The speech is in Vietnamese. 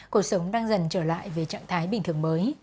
cuộc sống đang dần trở lại về trạng thái bình thường mới